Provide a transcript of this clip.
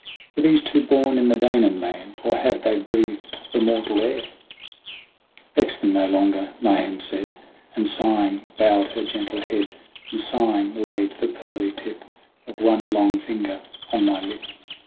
"Were these two born in the Danaan land, Or have they breathed the mortal air?" THE WANDERINGS OF 01 SIN 77 "Vex them no longer," Niamh said, And sighing bowed her gentle head, And sighing laid the pearly tip Of one long finger on my lip.